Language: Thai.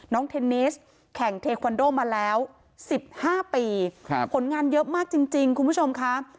เทนนิสแข่งเทควันโดมาแล้ว๑๕ปีผลงานเยอะมากจริงคุณผู้ชมค่ะ